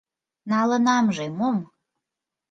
Налынамже мом?